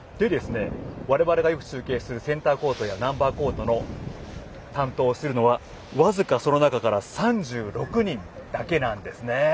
我々がよく中継するセンターコートやナンバーワンコートを担当するのは僅か、その中から３６人だけなんですね。